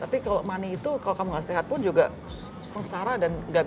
tapi kalau money itu kalau kamu nggak sehat pun juga sengsara ya